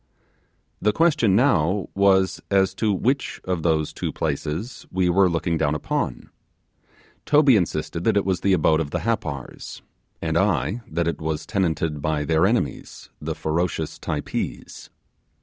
The question now was as to which of those two places we were looking down upon. Toby insisted that it was the abode of the Happar, and I that it was tenanted by their enemies the ferocious Typees.